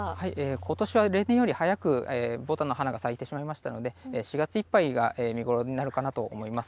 ことしは例年より早くぼたんの花が咲いてしまいましたので４月いっぱいが見頃になるかなと思います。